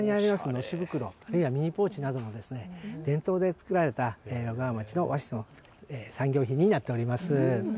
のし袋やミニポーチなど伝統で作られた小川町の和紙の産業品になっています。